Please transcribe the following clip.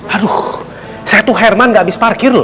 aduh saya tuh herman gak habis parkir loh